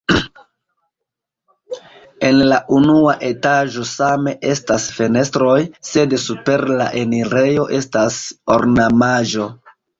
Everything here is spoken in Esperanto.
En la unua etaĝo same estas fenestroj, sed super la enirejo estas ornamaĵo.